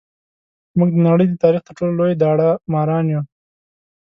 موږ د نړۍ د تاریخ تر ټولو لوی داړه ماران یو.